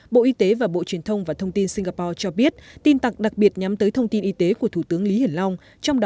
bộ y tế và bộ truyền thông và thông tin singapore cho biết tin tặc đặc biệt nhắm tới thông tin y tế của thủ tướng lý hiển long trong đó